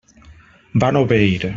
Van obeir.